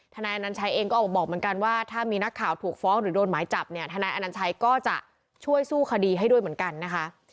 นายอนัญชัยเองก็ออกบอกเหมือนกันว่าถ้ามีนักข่าวถูกฟ้องหรือโดนหมายจับเนี่ยทนายอนัญชัยก็จะช่วยสู้คดีให้ด้วยเหมือนกันนะคะ